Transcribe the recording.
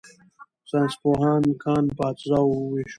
ساینسپوهانو کان په اجزاوو وویشو.